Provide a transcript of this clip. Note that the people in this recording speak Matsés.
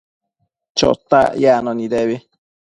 Chotac yacno nidebi